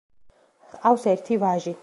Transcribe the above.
ჰყავს ერთი ვაჟი.